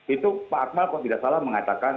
itu pak akmal kalau tidak salah mengatakan